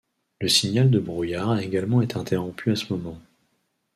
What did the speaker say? Le signal de brouillard a également été interrompu à ce moment.